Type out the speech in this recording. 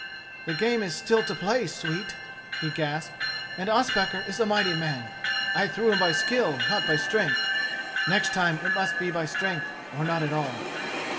"The game is still to play, sweet," he gasped, "and Ospakar is a mighty man. I threw him by skill, not by strength. Next time it must be by strength or not at all."